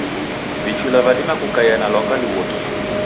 Vichula vidima kukaia na lwaka lughokie.